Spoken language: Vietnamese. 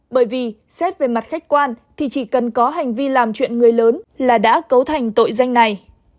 bởi vì xét về mặt khách quan thì chỉ cần có hành vi làm chuyện người lớn là đã cấu thành tội danh này